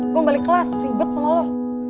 belum balik kelas ribet semua lo